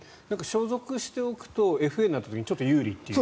所属しておくとＦＡになった時にちょっと有利っていう。